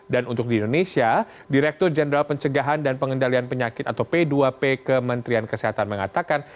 dan untuk di indonesia direktur jenderal pencegahan dan pengendalian penyakit atau p dua p kementerian kesehatan mengatakan